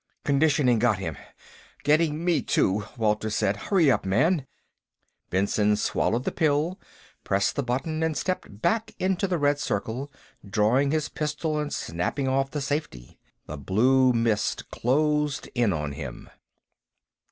"Conditioning got him. Getting me, too," Walter said. "Hurry up, man!" Benson swallowed the pill, pressed the button and stepped back into the red circle, drawing his pistol and snapping off the safety. The blue mist closed in on him.